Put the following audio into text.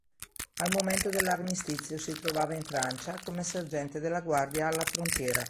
Al momento dell'armistizio si trovava in Francia, come sergente della Guardia alla frontiera.